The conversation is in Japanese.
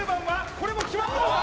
これも決まったのか？